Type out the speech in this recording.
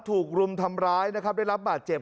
ถูกรุมทำร้ายนะครับได้รับบาดเจ็บ